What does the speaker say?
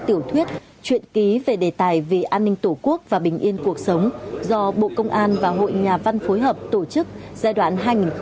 tiểu thuyết chuyện ký về đề tài vì an ninh tổ quốc và bình yên cuộc sống do bộ công an và hội nhà văn phối hợp tổ chức giai đoạn hai nghìn một mươi chín hai nghìn hai mươi